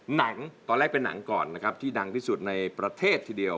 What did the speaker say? หนังตอนแรกเป็นหนังก่อนนะครับที่ดังที่สุดในประเทศทีเดียว